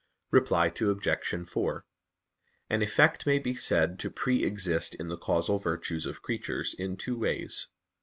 Reply Obj. 4: An effect may be said to pre exist in the causal virtues of creatures, in two ways.